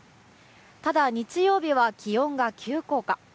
ただ、日曜日は気温が急降下。